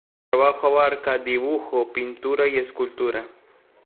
Su trabajo abarca dibujo, pintura y escultura.